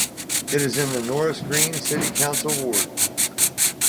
It is in the Norris Green city council ward.